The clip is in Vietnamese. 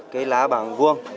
cái lá bằng vuông